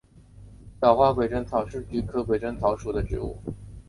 小花鬼针草是菊科鬼针草属的植物。